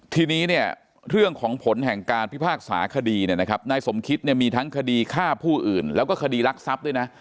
ทีนี้เนี่ยเรื่องของผลแห่งการพิพากษาคดีเนี่ยนะครับนายสมคิดเนี่ยมีทั้งคดีฆ่าผู้อื่นแล้วก็คดีรักทรัพย์ด้วยนะ